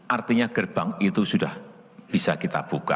artinya gerbang itu sudah bisa kita buka